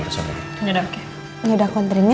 masih dengan santri